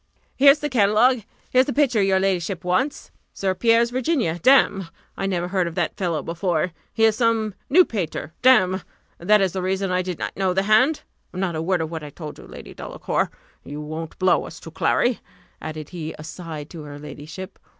"Here's the catalogue; here's the picture your ladyship wants. St. Pierre's Virginia: damme! I never heard of that fellow before he is some new painter, damme! that is the reason I did not know the hand. Not a word of what I told you, Lady Delacour you won't blow us to Clary," added he aside to her ladyship.